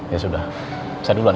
ya sudah saya duluan